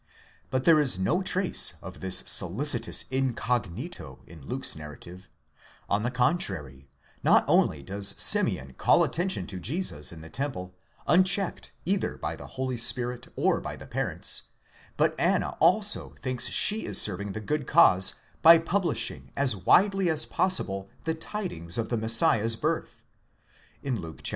But there is no trace of this solicitous incognito in Luke's narrative ; on the contrary, not only does Simeon call attention to Jesus in the temple, unchecked either by the Holy Spirit or by the parents, but Anna also thinks she is serving the good cause, by publishing as widely as possible the tidings of the Messiah's birth (Luke ii.